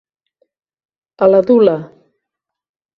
A la dula.